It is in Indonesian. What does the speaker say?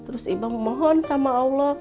rashid mengingatkan kepada allah